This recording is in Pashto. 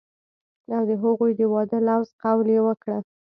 او د هغوي د وادۀ لوظ قول يې وکړۀ